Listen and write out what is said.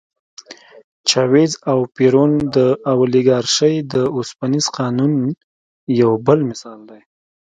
چاوېز او پېرون د اولیګارشۍ د اوسپنيز قانون یو بل مثال دی.